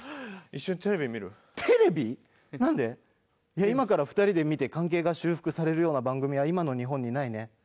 いや今から２人で見て関係が修復されるような番組は今の日本にないね。